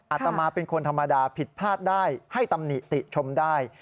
อาตมาเป็นคนธรรมดาผิดพลาดได้ให้ตำหนิติชมได้